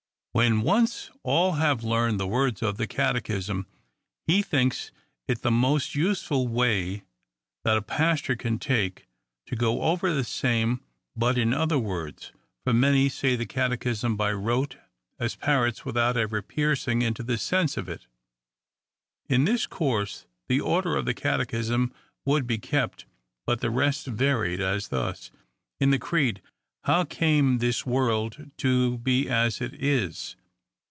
When once all have learned the words of the cate chism, he thinks it the most useful way that a pastor can take, to go over the same, but in other words ; for many say the catechism by rote, as parrots, without ever piercing into the sense of it. In this course the order of the catechism would be kept, but the rest varied ; as thus. In the creed —" How came this world to be as it is